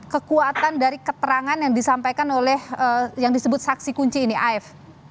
kekuatan dari keterangan yang disampaikan oleh yang disebut saksi kunci ini af